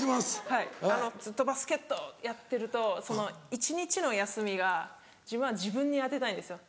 はいずっとバスケットやってると一日の休みが自分は自分に当てたいんですよ。